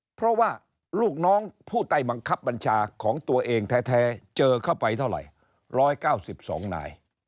เพราะว่าลูกน้องผู้ใต้บังคับบัญชาของตัวเองแท้เจอเข้าไปเท่าไหร่๑๙๒นาย